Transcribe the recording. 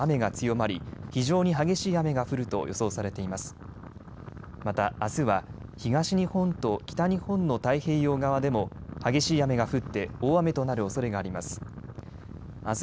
また、あすは東日本と北日本の太平洋側でも激しい雨が降って大雨となるおそれがあります。